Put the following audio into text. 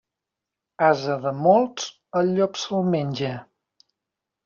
Ase de molts el llop se'l menja.